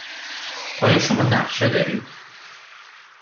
آیا شما نقشه دارید؟